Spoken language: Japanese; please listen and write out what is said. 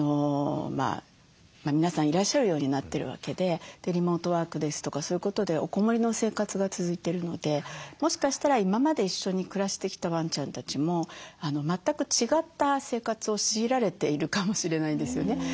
皆さんいらっしゃるようになってるわけでリモートワークですとかそういうことでおこもりの生活が続いてるのでもしかしたら今まで一緒に暮らしてきたワンちゃんたちも全く違った生活を強いられているかもしれないですよね。